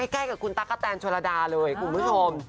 ใกล้กับคุณตั๊กกะแตนโชลดาเลยคุณผู้ชม